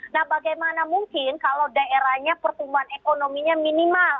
nah bagaimana mungkin kalau daerahnya pertumbuhan ekonominya minimal